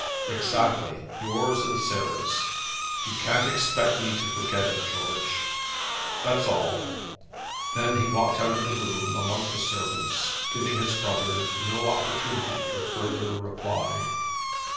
"Exactly; your's and Sarah's. You can't expect me to forget it, George; that's all." Then he walked out of the room among the servants, giving his brother no opportunity for further reply.